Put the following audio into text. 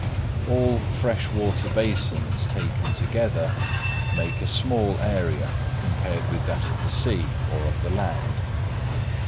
All fresh water basins, taken together, make a small area compared with that of the sea or of the land.